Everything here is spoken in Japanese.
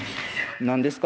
なんですか？